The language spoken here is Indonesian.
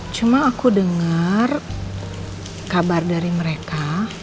cuma aku dengar kabar dari mereka